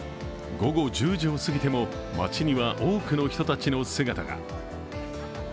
午後１０時を過ぎても街には多くの人たちの姿が。